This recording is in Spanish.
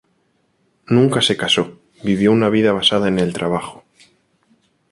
Nunca se casó, vivió una vida basada en el trabajo.